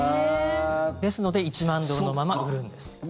ですので１万ドルのまま売るんです。